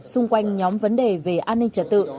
xung quanh nhóm vấn đề về an ninh trật tự